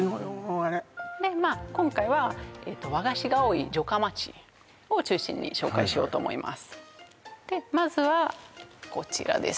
あれでまっ今回は和菓子が多い城下町を中心に紹介しようと思います